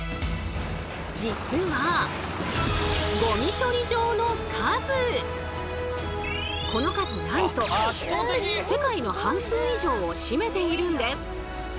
実はこの数なんと世界の半数以上を占めているんです。